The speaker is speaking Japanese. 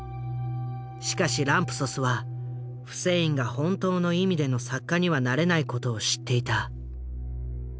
しかしランプソスはフセインが本当の意味での作家にはなれない事を知っていた。